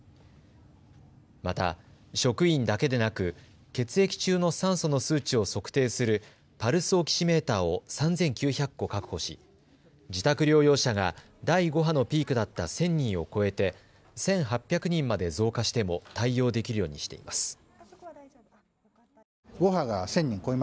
また、職員だけでなく血液中の酸素の数値を測定するパルスオキシメーターを３９００個確保し、自宅療養者が第５波のピークだった１０００人を超えて１８００人まで増加しても対応できるようにしています。